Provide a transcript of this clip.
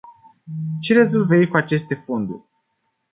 Ce rezolvă ei cu aceste fonduri?